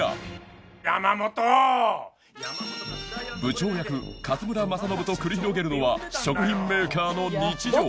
部長役勝村政信と繰り広げるのは食品メーカーの日常